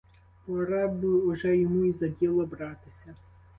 Пора б уже йому й за діло братися.